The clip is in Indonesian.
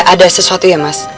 ada sesuatu ya mas